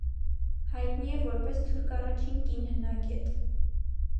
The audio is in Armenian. Հայտնի է որպես թուրք առաջին կին հնագետ։